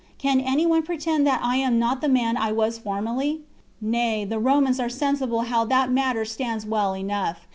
Can any one pretend that I am not the man I was formerly? Nay, the Romans are sensible how that matter stands well enough.